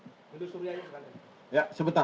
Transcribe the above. hindus surya ini sekedar